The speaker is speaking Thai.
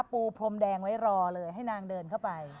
ก็ได้แดงไว้รอเลยให้นางเดินไป